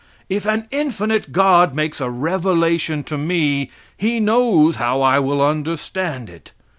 If an infinite God makes a revelation to me He knows how I will understand it.